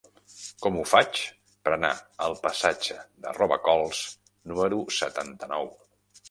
Com ho faig per anar al passatge de Robacols número setanta-nou?